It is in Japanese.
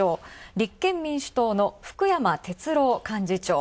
立憲民主党の福山哲郎幹事長。